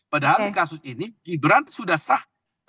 padahal di kasus ini gibran sudah sah